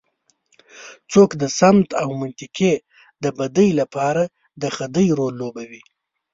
څوک د سمت او منطقې د بدۍ لپاره د خدۍ رول لوبوي.